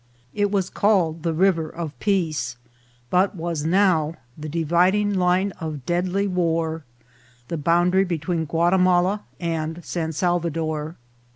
It was called the River of Peace, but was now the dividing line of deadly war, the boundary between Guatimala and San Salvador.